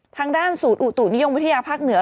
ทางด้านศูนย์อุตุนิยมวิทยาภาคเหนือ